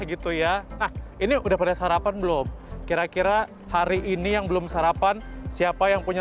gitu ya nah ini udah pada sarapan belum kira kira hari ini yang belum sarapan siapa yang punya